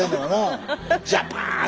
ジャパーン！